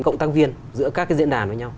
cộng tác viên giữa các cái diễn đàn với nhau